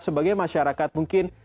sebagai masyarakat mungkin